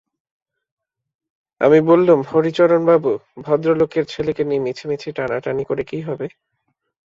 আমি বললুম, হরিচরণবাবু, ভদ্রলোকের ছেলেকে নিয়ে মিছিমিছি টানাটানি করে কী হবে?